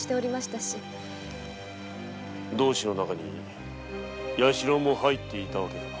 同志の中に弥四郎も入っていたわけだな。